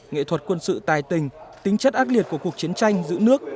nghệ thuật quân sự tài tình tính chất ác liệt của cuộc chiến tranh giữ nước